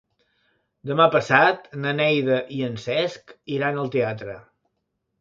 Demà passat na Neida i en Cesc iran al teatre.